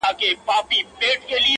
• عزراییل دي ستا پر عقل برابر سي,